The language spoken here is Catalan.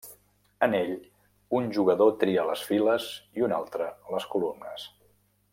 En ell, un jugador tria les files i un altre les columnes.